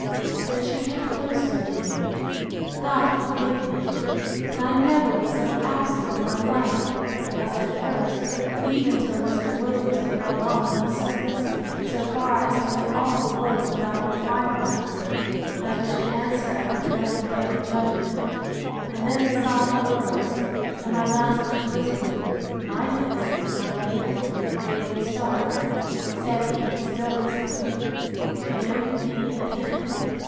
So she kept close to me. God forgive me! but I never was so absent in my life, as at first; even till Mr. Williams had gone on in the service, so far as to the awful words about requiring us, as we should answer at the dreadful day of judgment; and then the solemn words, and my master's whispering, Mind this, my dear, made me start. Said he, still whispering, Know you any impediment?